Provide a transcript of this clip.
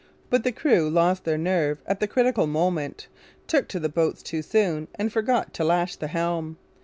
But the crew lost their nerve at the critical moment, took to the boats too soon, and forgot to lash the helm.